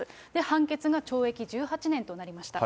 判決が懲役１８年となりました。